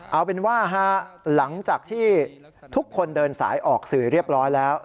เอาเป็นว่าหลังจากที่ทุกคนเดินสายออกสื่อเรียบร้อยแล้ว